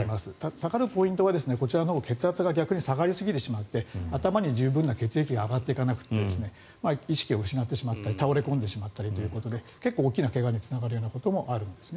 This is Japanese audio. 下がるポイントは血圧が逆に下がりすぎてしまって頭に十分な血液が上がっていかなくて意識を失ってしまったり倒れ込んだりしてしまったりということで結構大きな怪我につながることもあるんですね。